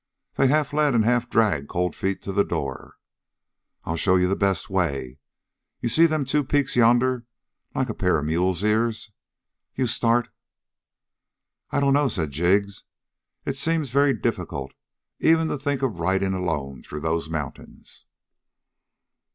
They half led and half dragged Cold Feet to the door. "I'll show you the best way. You see them two peaks yonder, like a pair of mule's ears? You start " "I don't know," said Jig. "It seems very difficult, even to think of riding alone through those mountains."